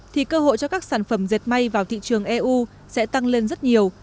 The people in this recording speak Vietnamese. thì cơ hội cho các sản phẩm dệt may vào thị trường eu sẽ tăng lên rất nhiều